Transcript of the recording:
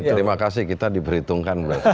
berarti terima kasih kita diberhitungkan